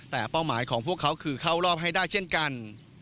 แต่เป้าหมายของพวกเขาคือเข้ารอบให้ได้เช่นกัน